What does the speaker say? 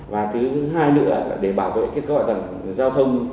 và thứ hai nữa là để bảo vệ kết cấu hạ tầng giao thông